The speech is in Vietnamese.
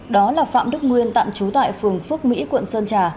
đó là phạm đức nguyên tạm trú tại phường phước mỹ quận sơn trà